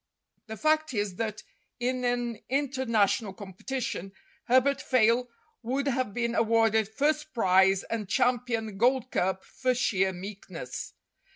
The fact is that, in an international competition, Herbert Fayle would have been awarded first prize and champion gold cup for sheer meekness.